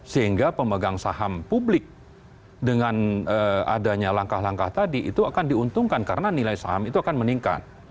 sehingga pemegang saham publik dengan adanya langkah langkah tadi itu akan diuntungkan karena nilai saham itu akan meningkat